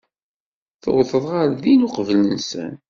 Tuwḍeḍ ɣer din uqbel-nsen.